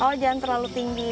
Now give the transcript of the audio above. oh jangan terlalu tinggi